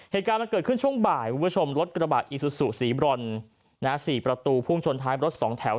เหตุการณ์มันเกิดขึ้นช่วงบ่ายคุณผู้ชมรถกระบะอีซูซูสีบรอน๔ประตูพุ่งชนท้ายรถสองแถว